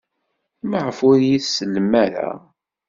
Maɣef ur iyi-tsellem ara?